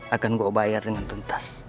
akan gue bayar dengan tuntas